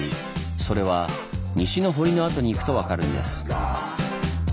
それは西の堀の跡に行くと分かるんです。